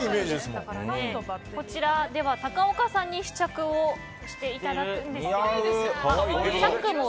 こちら、高岡さんに試着をしていただくんですけれども。